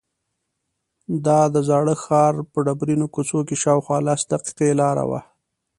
دا د زاړه ښار په ډبرینو کوڅو کې شاوخوا لس دقیقې لاره وه.